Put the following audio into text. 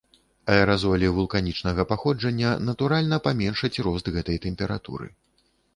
Аэразолі вулканічнага паходжання натуральна паменшаць рост гэтай тэмпературы.